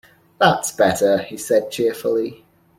"That's better," he said cheerfully.